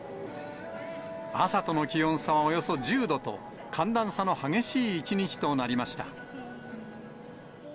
朝との気温差はおよそ１０度と、寒暖差の激しい一日となりました。